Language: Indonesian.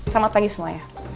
selamat pagi semuanya